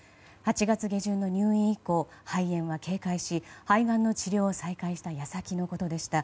８月下旬の入院以降肺炎は軽快し肺がんの治療を再開した矢先のことでした。